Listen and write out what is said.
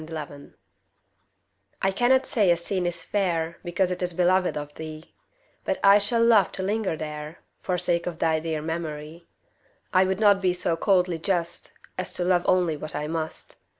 IMPARTIALITY I cannot say a scene is fair Because it is beloved of thee But I shall love to linger there, For sake of thy dear memory; I would not be so coldly just As to love only what I must.